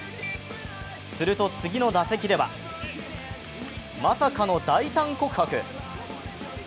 すると次の打席ではまさかの大胆告白。